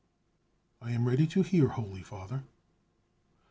"I am ready to hear, holy Father!"